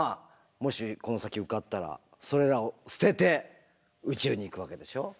もしこの先受かったらそれらを捨てて宇宙に行くわけでしょ。